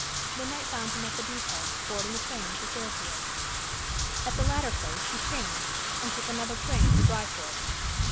Midnight found him at the depot, boarding a train for Fairfield. At the latter place he changed and took another train for Bryport.